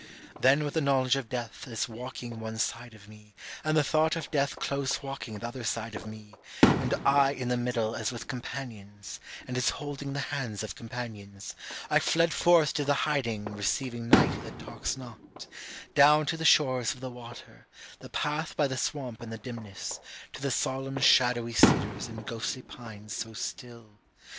Then with the knowledge of death as walking one side of me, And the thought of death close walking the other side of me, And I in the middle as with companions, and as holding the hands of companions, I fled forth to the hiding receiving night that talks not, Down to the shores of the water, the path by the swamp in the dimness, To the solemn shadowy cedars and ghostly pines so still.